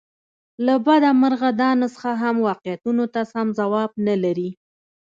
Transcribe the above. له بده مرغه دا نسخه هم واقعیتونو ته سم ځواب نه لري.